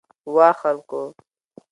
وا خلکو!